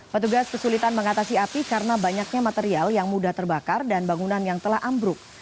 petugas kesulitan mengatasi api karena banyaknya material yang mudah terbakar dan bangunan yang telah ambruk